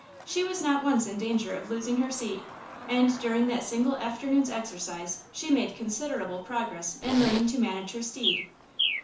She was not once in danger of losing her seat, and during that single afternoon's exercise she made considerable progress in learning to manage her steed.